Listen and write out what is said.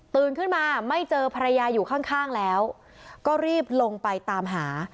ขึ้นมาไม่เจอภรรยาอยู่ข้างแล้วก็รีบลงไปตามหา